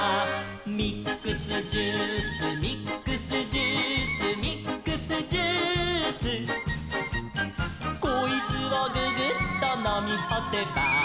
「ミックスジュースミックスジュース」「ミックスジュース」「こいつをググッとのみほせば」